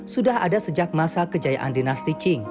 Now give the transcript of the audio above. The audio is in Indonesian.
sudah ada sejak masa kejayaan dinasti ching